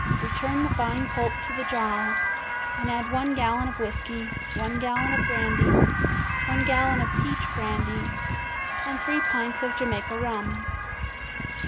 Return the fine pulp to the jar, and add one gallon of whiskey, one gallon of brandy, one gallon of peach brandy and three pints of Jamaica rum.